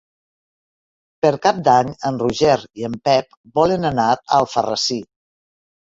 Per Cap d'Any en Roger i en Pep volen anar a Alfarrasí.